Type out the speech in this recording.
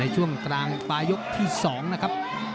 สวัสดีครับ